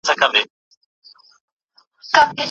هغه متخصص وویل چې دا موبایل د مصنوعي ځیرکتیا ځانګړی چپ لري.